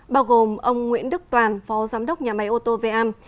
bao gồm ông nguyễn đức toàn phó giám đốc nhà máy ô tô vam